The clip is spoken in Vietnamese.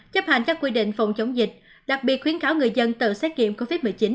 chấp hành các quy định phòng chống dịch đặc biệt khuyến cáo người dân tự xét nghiệm covid một mươi chín